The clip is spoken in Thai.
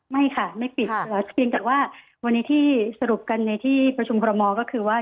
ไม่ค่ะไม่ปิดเพียงแต่ว่าวันนี้ที่สรุปกันในที่ประชุมคอรมอลก็คือว่า